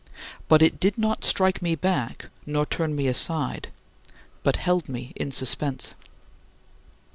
But it did not strike me back, nor turn me aside, but held me in suspense.